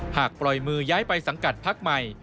หากปล่อยมือย้ายไปสังกัดพักใหม่